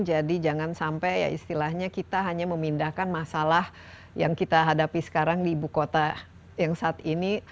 jadi jangan sampai ya istilahnya kita hanya memindahkan masalah yang kita hadapi sekarang di ibu kota yang saat ini